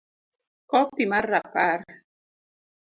c-Kopi mar Rapar